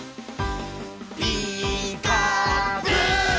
「ピーカーブ！」